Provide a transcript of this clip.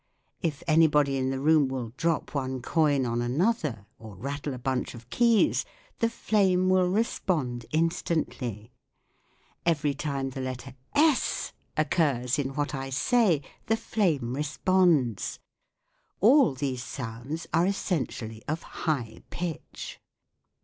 If anybody in the room will drop one coin on another or rattle a bunch of keys, the flame will respond instantly. Every time the letter " s " occurs in what I say the flame responds. All these sounds are essentially of high pitch.